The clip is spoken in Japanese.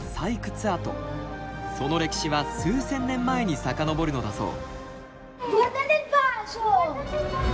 その歴史は数千年前に遡るのだそう。